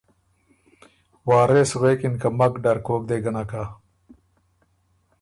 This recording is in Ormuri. وارث غوېکِن که ”مک ډر کوک دې ګۀ نک هۀ۔